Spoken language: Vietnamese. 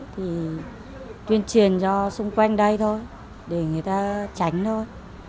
thì tuyên truyền cho xung quanh đây thôi để người ta tránh thôi